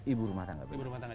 ibu rumah tangga